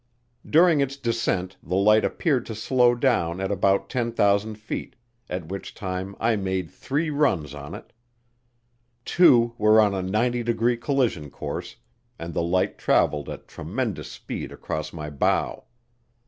During its descent, the light appeared to slow down at about 10,000 feet, at which time I made three runs on it. Two were on a 90 degree collision course, and the light traveled at tremendous speed across my bow.